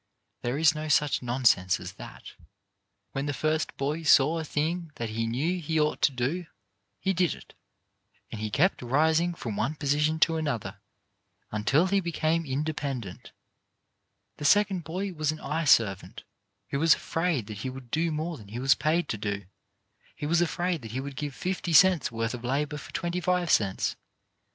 There is no such nonsense as that. When the first boy saw a thing that he knew he ought to do, he did it ; and he kept rising from one position to another until he became in dependent. The second boy was an eye servant who was afraid that he would do more than he was paid to do — he was afraid that he would give fifty cents' worth of labour for twenty five cents.